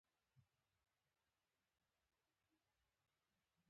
د نارو پر مهال خپل ټوپکونه له اوږې را ایسته کوي.